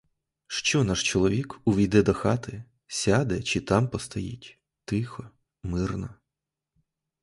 Що наш чоловік, увійде до хати, сяде чи там постоїть — тихо, мирно.